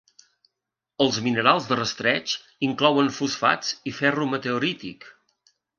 Els minerals de rastreig inclouen fosfats i ferro meteorític.